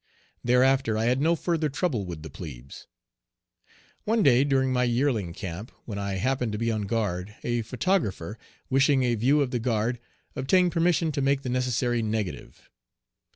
Thereafter I had no further trouble with the plebes. One day, during my yearling camp, when I happened to be on guard, a photographer, wishing a view of the guard, obtained permission to make the necessary negative.